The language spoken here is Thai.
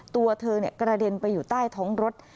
ตัวเธอกระเด็นไปอยู่ใต้ท้องรถ